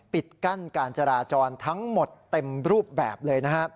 ปิดกั้นการจราจรทั้งหมดเต็มรูปแบบเลยนะครับ